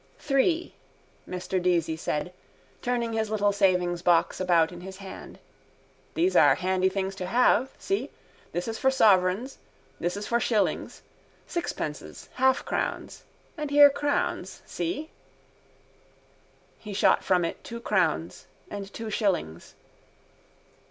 —Three, Mr Deasy said, turning his little savingsbox about in his hand. These are handy things to have. See. This is for sovereigns. This is for shillings. Sixpences, halfcrowns. And here crowns. See. He shot from it two crowns and two shillings.